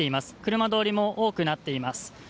車通りも多くなっています。